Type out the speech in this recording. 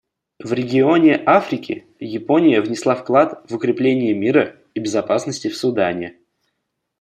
В регионе Африки Япония внесла вклад в укрепление мира и безопасности в Судане.